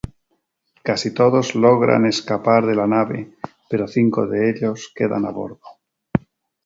Casi todos logran escapar de la nave pero cinco de ellos quedan a bordo.